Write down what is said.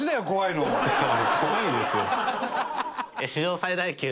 怖いですよ。